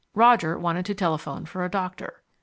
Roger wanted to telephone for a doctor.